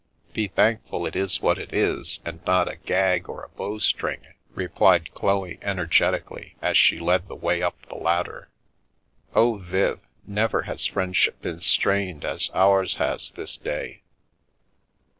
" Be thankful it is what it is, and not a gag or a bowstring/' replied Chloe energetically as she led the way up the ladder. " Oh, Viv, never has friendship been strained as ours has this day."